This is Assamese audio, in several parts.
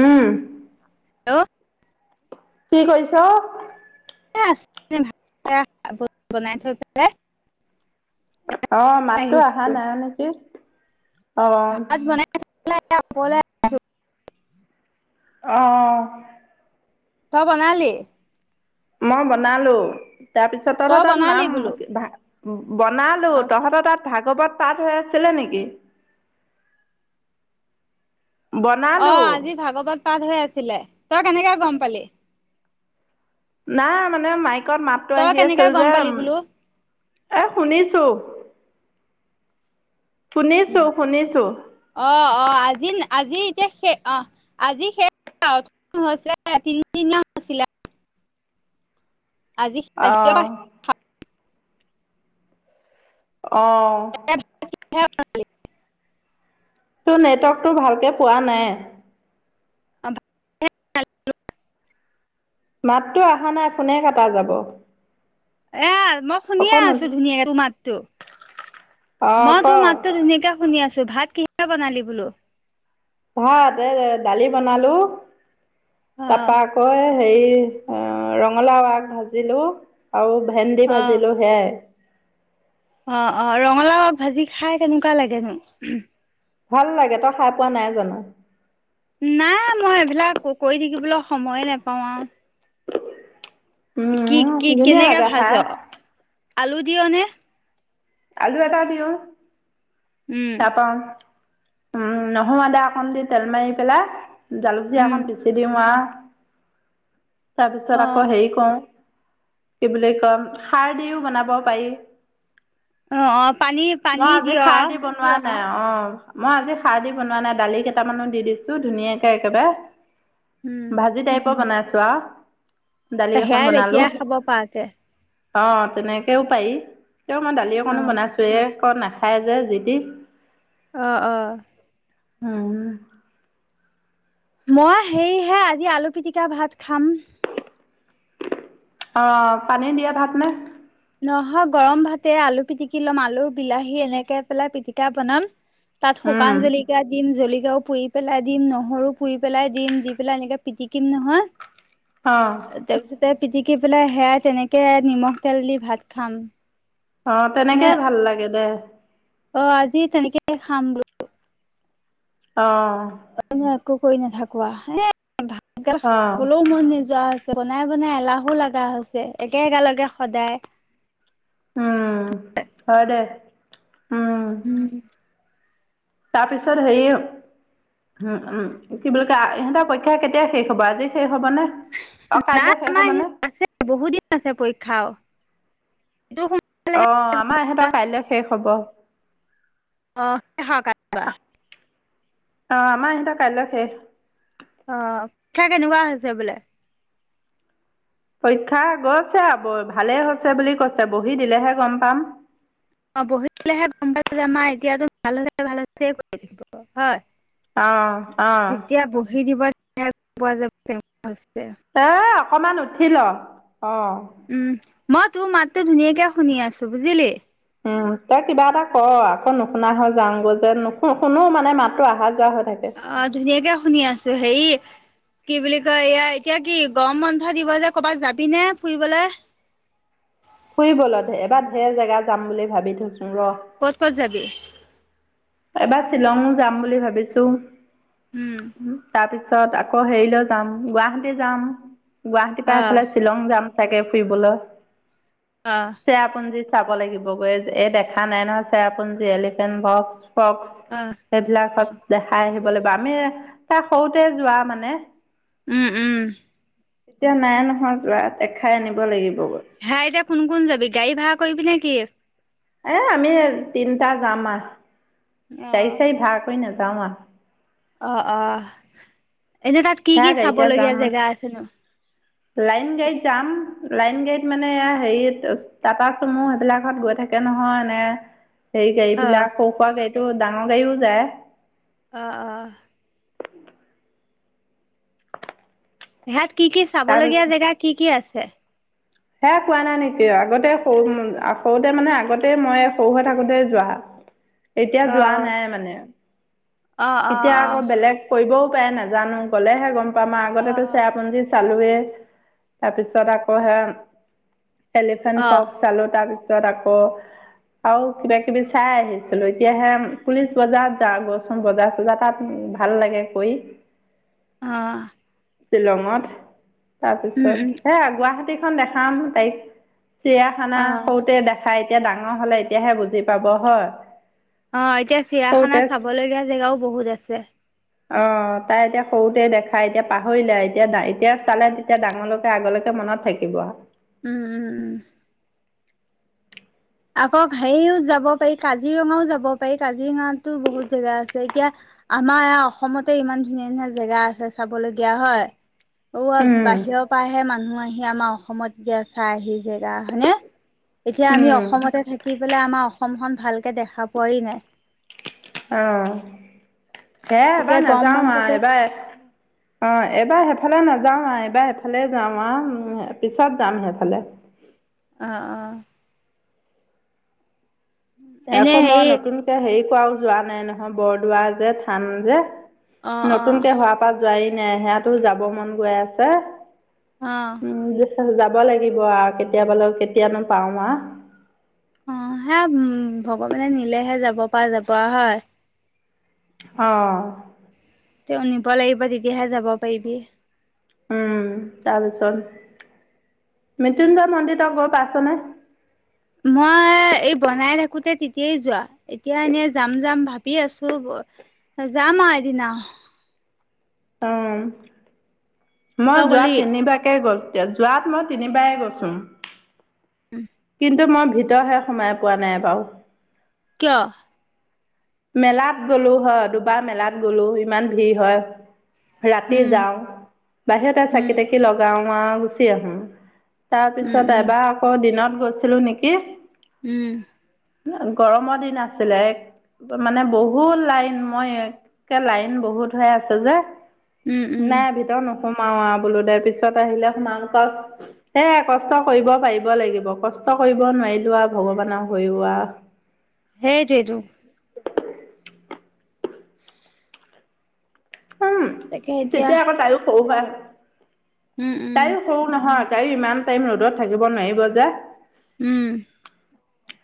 উম, হেল্ল', কি কৰিছে? এ আছোঁ ভাত বনাই থৈ পেলাই অ' মাতো অহা আহিছো নাই নেকি? অ', লল [unintelligible] অ-অ-অ, তই বনালি? মই বনালো তাৰপিছত তই তাত বনালি নাম বোলো ভ বনালোঁ অ তহঁতৰ তাত ভাগৱত, পাট হৈ আছিলে নেকি? বনালো অ' আজি ভাগৱত পাঠ হৈ আছিলে। তই কেনেকে গম পালি? না মানে মাইক ত মাতো তই আহি আছে কেনেকে গম যে পালি বোলো এ শুনিছো। উম, শুনিছো শুনিছো অ-অ আজি আজি এতিয়া অ' আজি শেষ ছিলা তিনিদিন ন আছিলা [unintelligible] আজি- [unintelligible] অ আজি অ', [unintelligible] তোৰ নেটৱৰ্কটো ভালকে পোৱা নাই।। [unintelligible] মাততো অহা নাই ফোনে কাটা যাব। এ মই শুনিয়ে অকণ আছো ধুনীয়াকে তোৰ মাতো, অ মই তোৰ ক মাততো ধুনীয়াকে শুনি আছোঁ। ভাত কিহা বনালি বোলো? ভাত এ দালি বনালো অ তাৰপা আকৌ হেৰি অ' ৰঙালাও আগ ভাজিলো আৰু ভেন্দি ভাজিলো সেয়াই। অ-অ ৰঙালাও ভাজি খাই কেনেকুৱা লাগেনো? ভাল লাগে তই খাই পোৱা নাই জানো? নাই মই এইবিলাক কৰি থাকিবলৈ সময়ে নেপাও আৰু। কি উম কি ধুনীয়া কেনেকা লাগে ভাজ, খাই আলু দিয় নে? আলু এটা দিও উম, তাপা উম নহৰু আদা অকন দি তেল মাৰি পেলাই জালুকদি উম। অকন পিচি দিওঁ আৰু। তাৰপিছত অ', আকৌ হেৰি কও কি বুলি কয় সাৰ দিও বনাব পাৰি। অ অ পানী মই পানী দি আজি অ খাৰ বনোৱা নাই অ মই আজি সাৰ দি বনোৱা নাই দালি কেইটামানো দি দিছো ধুনীয়াকে একেবাৰে উম, ভাজি টাইপৰ বনাইছো আৰু। দালি এখন সেয়াই বনালো। লেতিয়াই খাব পৰাকে অ তেনেকেও পাৰি কিন্তু মই দালি অকণো অ', বনাইছোয়ে নাখায় যে যিতি। অহ অহ। উম। মই সেইহে আজি আলুপিতিকা ভাত খাম। অ পানী দিয়া ভাত নে? নহয় গৰম ভাতে আলু পিটিকি ল'ম আলু বিলাহী এনেকে পেলাই পিটিকা বনাম। তাত উম শুকান জলকীয়া দিম জ কিয়াও পুৰি পেলাই দিম নহৰু পুৰি পেলাই দিম দি পেলাই এনেকে পিটিকিম নহয় অ তাৰ পিছতে পিটিকি পেলাই সেয়াই তেনেকে নিমখ তেল দি ভাত খাম। অ তেনেকে নে ভাল লাগে দে। অ আজি তেনেকে খাম বোলো। অ এনে একো কৰি নাথাকোৱা হে ভাতগাল অ খাবলৈও মন নোযোৱা হৈছে। বনাই বনাই এলাহো লগা হৈছে একেগালকে সদায়। উম হয়দে। উম। তাৰপিছত হেৰি উম উম কি বুলি ক ইহঁতৰ পৰীক্ষা কেতিয়া শেষ হ'ব আজি শেষ শেষ হ'ব নে অ নাই কাইলৈ শেষ আমাৰ হ'ব নে? আছে বহুত দিন আছে পৰীক্ষাও অহ আমাৰ ইহঁতৰ কাইলে শেষ হব। অ [unintelligible] অ আমাৰ এহত কাইলৈ শেষ। অ পৰীক্ষা কেনেকুৱা হৈছে বোলে? পৰীক্ষা গৈছে আ বৌ ভালেই হৈছে বুলি কৈছে বহি দিলেহে গম পাম। অ বহি দিলেহে গম পাই যামা এতিয়াতো ভাল ভাল কৰি থাকিব হয়। অ অ যেতিয়া বহি দিব [unintelligible] পোৱা যাব। হৈছে এ অকমান উঠিল অ। উম মই তোৰ মাতটোো ধুনীয়াকে শুনি আছো বুজিলি উম তই কিবা এটা কৰ আকৌ নুশুনা হয় যাওঁগৈ যে নুশু শুনো মানে মাতো অহা যোৱা হৈ থাকে অ ধুনীয়াকে শুনি আছো হে কি বুলি কয় এয়া এতিয়া কি গম বন্ধ দিব যে কৰ'বাত যাবি নে ফুৰিবলে ফুৰিবল ে এবাৰ ঢেৰ জেগা যাম বুলি ভাবি থৈছো ৰ ক'ত ক'ত যাবি এবাৰ শ্বিলং যাম বুলি ভাবিছো উম তাৰপিছ তাৰপাছত আকৌ হেৰিলৈ যাম গুৱাহাটী যাম গুৱাহাটীৰ পৰা অ এফালে শ্বিলং যাম চাগে ফুৰিবলৈ অ চেয়া আপোন যেি চাব লাগিব গৈ এই দেখা নাই নহয় চাৰ আপোন যে এলিফেণ্ট বক্স ক্স অ অ সেইবিলাকত দেখাই আহিব লাগিব আমি তাৰ সৰুতে যোৱা মানে উম উম এতিয়া নাই নহয় যোৱাত দেখাই আনিব লাগিব। হেয়া এতিয়া কোন কোন যাবি গাড়ী ভাড়া কৰিবি নে কি? এ আমি তিনিটা যাম আহ গাড়ী চাড়ী ভাড় কৰি নেজা নেযাওঁ আও। অঁ অঁ। এনে তাত কি কি সেয়া চাব গাড়ীতে লগীয়া যাম জেগা আছে নো? লাইন গাড়ীত যাম লাইন গাড়ীত মানে হেৰিত টাটা চুমু সেইবিলাকত গৈ থাকে নহয় এনে সেই অ গাডীবিলাক সৰু সুৰা গাড়ীতটো ডাঙৰ গাড়ীও যায়। অঁ অঁ। ইহাত কি কি চাব লগগীয়া তাৰপিছত জেগা কি কি আছে? সেয়া কোৱা নাই নেকি আগতে সৰু সৰুতে মানে আগতেই মই সৰু হৈ থাকোতে যোৱা। এতিয়া অ যোৱা নাই মানে। অ অ এতিয়া আকৌ বেলেগ কৰিবও পাই নাজানো গ'লেহে গম পাম আৰু অ অ আগতেতো চেৰাপুঞ্জী চালোৱে। তাৰপিছত আকৌ হে এলিফেন্ট অ অ ফক্ চালো তাৰ পিছত পিছত আকৌ আৰু কিবা কিবি চাই আহিছিলো এতিয়াহে পুলিচ বজাৰত যা গচোন বজাৰ বজা তাত ভাল লাগে কৰি। অ। শ্বিলঙত উম তাৰপিছত উম হে গুৱাহাটীখন দেখাম তাৰিখ চিৰিয়াখানা অ সৰুতে দেখাই এতিয়া ডাঙৰ হলে এতিয়াহে বুজি পাব হয়। অ এতিয়া চিৰিয়াখানা সৰুতে চাব লগীয়া জেগাও বহুত আছে। অ তাই এতিয়া সৰুতে দেখাই এতিয়া পাহৰিলে এতিয়া এতিয়া চালে তেতিয়া ডাঙৰলৈকে আগলৈকে মনত থাকিব। উম উম উম। আকৌ হেৰিও যাব পাৰি কাজিৰঙাও যাব পাৰি কাজিৰঙাতো বহুত জেগা আছে, এতিয়া- আমাৰ ই অসমতে ইমান ধুনীয়া ধুনীয়া জেগা আছে চাবলগীয়া হয়। অ বাহিৰৰ পৰাহে মানুহ আহি আমাৰ অসমত যেতিয়া চাই আহি জেগা হয়নে? এতিয়া আমি অসমতে থাকি পেলাই আমাৰ অসমখন ভালকে দেখা পোৱাই নাই। আহঁ। হে গতিকে এবাৰ গৰম নাযাও আহ বন্ধতে এবাৰ অ এইবাৰ সেইফালে নাযাওঁ। যাওঁ আহ এইবাৰ এফালে যাওঁ আহ পিছত যাম সেইফালে। অ অ। এনে আকৌ মই হেৰি নতুনকে হেৰি কৰাও যোৱা নাই নহয় বৰদোৱা যে থান যে অ', অ', নতুনকে হোৱাৰ পৰাা যোৱি নে সিহাতো যাব মন গৈ আছে। আহ। তাত যাব লাগিব আৰু কেতিয়াবালে কেতিয়ানো পাও আও। অ হে উম ভগৱানে নিলেহে যাব প যাব হয়। আহ। তেওঁ নিব লাগিব তেতিয়াহে যাব পাৰিবি। উম তাৰপিছত মৃত্যুঞ্জয় মন্দিৰক গৈ পাইছনে? মই এই বনাই থাকোতে তেতিয়াই যোৱা এতিয়া এনেই যাম যাম ভাবি আছো। জাম আওঁ এদিন আও। অ মই তই যোৱা গলি তিনিবাকে গ'ল। এতিয়া যোৱাত মই তিনিবাৰে গৈছো। কিন্তু মই ভিতৰহে সোমাই পোৱা নাই বাৰু। কিয়? মেলাত গ'লো হয় দুবাৰ মেলাত গ'লো ইমান ভিৰ হয়। ৰাতি উম, যাওঁ বাহিৰতে উম, চাকি তাকি লগাও আৰু গুচি আহো। তাৰ উম, পিছত উম, এবাৰ আকৌ দিনত গৈছিলো নেকি। উম। গৰমৰ দিন আছিলে এক মানে বহুত লাইন মই একে লাইন বহুত হৈ আছে যে। উম, উম, নাই ভিতৰত নক সোমাও আৰু বোলো দে পিছত আহিলে সোমাও ক সে কষ্ট কৰিব পাৰিব লাগিব কষ্ট কষ্ট কৰিব নোৱাৰিলো আৰু ভগৱানক হৈও আও সেইটোেইটো। উম তাকে এতিয়া তেতিয়া আকৌ তাইও সৰু বা উম, উম, তাইও সৰু নহয়। গায় [unintelligible] ইমান টাইম ৰ'দত থাকিব নোৱাৰিব যে উম।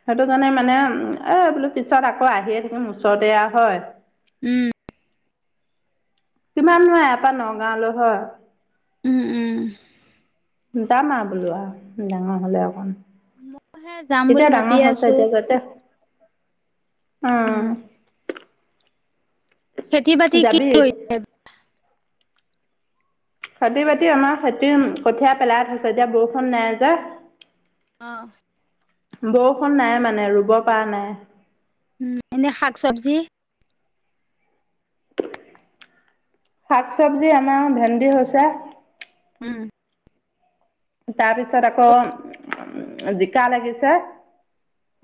সেইটো কাৰণে মানে এ বোলো পিছত আকৌ আহিয়ে থাকিম ওচৰতেয়া হয়। উম। তমান নহয় এপা নগাঁৱলৈ হয়। উম, উম। যাম আৰু বোলো আৰু ডাঙৰ হ'লে অকণ। মইহে যাম বুলি এতিয়া ভাবি ডাঙৰ হৈছে আছো। এতিয়া যা'তে। উম, অ'। খেতি বাতি কি কৰি হৈছে? খেতি বাতি আমাৰ খেতি কঠীঁয়া পেলাই থৈছ এতিয়া বৰষুণ নাই যে। অ'। বৰষুণ নাই মানে ৰুব পৰা নাই। উম এনে শাক চব্জি? শাক চবজি আমাৰ ভেন্দি হৈছে। উম। তাৰপিছত আকৌ উ জিকা লাগিছে।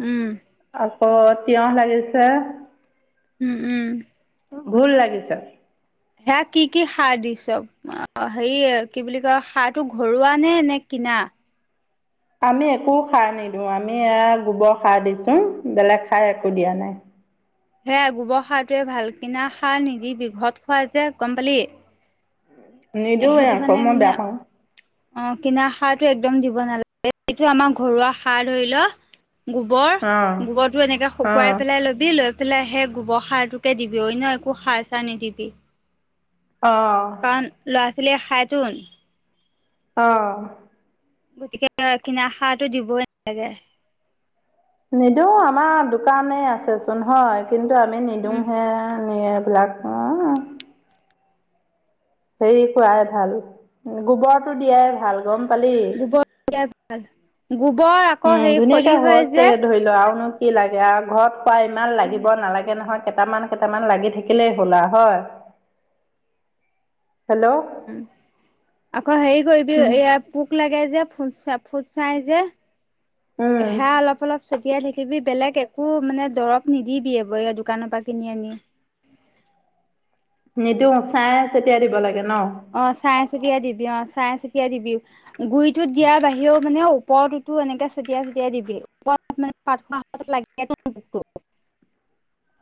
উম। অ', তিয়হ লাগিছে। উম উম। ভুল লাগিছে। সেয়া কি কি সাৰ দিছ, অ' হেৰি কি বুলি কয় সাৰ টো ঘৰুৱা নে, নে কি ন', আমি একো সাৰ নিদিওঁ আমি এ গোবৰ সাৰ দিছো বেলেগ সাৰ একো দিয়া নাই। হেয়া গোবৰ সাৰটোৱে ভাল কিনা সাৰ নিদিবি, বঘৰত খোৱা যে গম পালি। নিদিওঁ সেইটো আকৌ, কাৰণে মই মানে বেয়া পাওঁ। অ', কিনাৰ সাৰটো একদম দিব নালাগে এইটো আমাৰ ঘৰুৱা সাৰ ধৰি ল', গোবৰ অঁ গোবৰটো এনেকে অঁ শুকুৱাই পেলাই ল'বি লৈ পলে সেই গোবৰ সাৰটোকে দিবি, অন্য একো সাৰ চাৰ নিদিবি। অঁ কাৰণ ল'ৰা ছোৱালীয়ে খাইচোন, অ'। গতিকে কিনা সাৰটো দিবই নালাগে। নিদওঁ আমাৰ দোকানেই আছেচোন হয় কিন্তু আমি উম নিদিওঁ হে, [unintelligible] হেৰি কৰাই ভাল, গোবৰটো দিয়াই ভাল গম পালি গোবৰ দিয়াই ভাল উম ধুনীয়াকে হৈছে ধৰি লোৱা আৰুনো, কি লাগে আৰু ঘৰত খোৱা ইমান উম লাগিব নালাগে নহয়। কেইটামান কেইটামান লাগি থাকিলেই হ'ল আও, হয়। হেল্ল' উম, উম আকৌ হেৰি কৰিবি উম এয়া পোক লাগে যে, ফুটছা ফুটচাই যে উম সেৰা অলপ অলপ ছটিয়াই থাকিবি বেলেগ, একো মানে দৰৱ নিদিবিব এইয় দোকানৰ পৰা কিনি আনি নিদিো চাই তেতিয়া দিব লাগে ন অ চাই চকিয় দিবি ম চাই চতিিয়াই দিবি গুৰিতটোত দিয়াৰ বাহিৰেও মানে ওপৰতটোতো এনেকে ছটিয়াই চতিিয়াই দিবি ওপ [unintelligible] [unintelligible] মানে [unintelligible] পঠ [unintelligible] লাগ [unintelligible]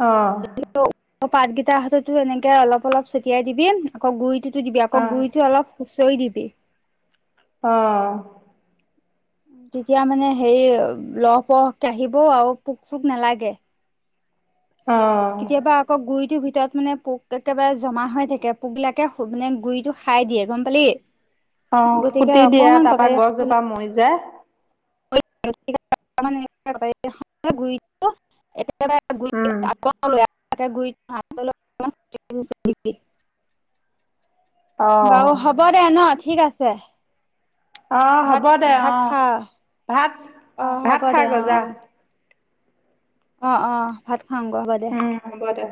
অঁ অক পাতকেইট হাততো এনেকে অলপ অলপ ছটিয়াই দিবি আকৌ গুৰিটোতো দিবি অ আকৌ গুৰিটো অলপ শৈ দিবি আহ তেতিয়া মানে হেৰি লহ পহকে আহিব আৰু পোক চোক নালাগে [inaudible] অ কেতিয়াবা আকৌ গুৰিটো ভিতৰত তত মানে পোক একেবাৰে জমা হৈ থাকে পোক বিিলাকে [unintelligible] মানে [unintelligible] গুৰিটো খাই দিয়ে গম পালি অ গতিকে কুটি দিয়া অকমান তাৰ পৰাা গছজোপা মৰি যায় [unintelligible] [unintelligible] গুৰিাত উম [unintelligible] অ বাৰু হ'ব দে ন ঠিক আছে অ হ'ব ভাত দে অ ভাত খা ভাত অ ভাত হ'ব খাই দেে গৈ যা অ-অ অ অ ভাত খুৱাাম গ হ'বা দে উম হ'ব দে